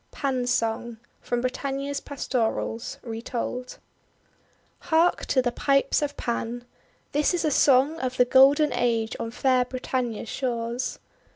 PAN'S SONG From Britannia s Pastorals (retold} HARK to the Pipes of Pan ! This is a song of the Golden Age on fair Britannia's shores.